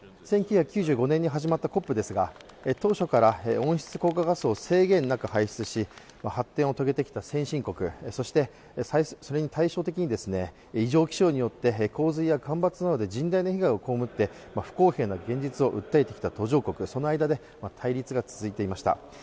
１９９５年に始まったＣＯＰですが当初から温室効果ガスを制限なく排出し発展を遂げてきた先進国、それに対照的に異常気象によって洪水や干ばつなどで甚大な被害を被って不公平な現実を訴えてきた途上国、その間で対立が続いてきました。